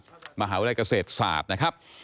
มหาวิทยาลัยเกษตรศาสตร์นะครับ